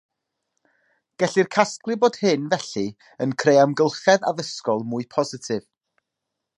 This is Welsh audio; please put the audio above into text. Gellir casglu bod hyn felly yn creu amgylchedd addysgol mwy positif